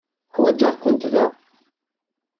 Uḥwaǧeɣ-kent da.